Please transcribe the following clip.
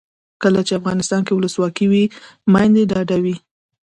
کله چې افغانستان کې ولسواکي وي میندې ډاډه وي.